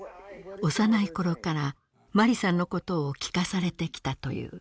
幼い頃からマリさんのことを聞かされてきたという。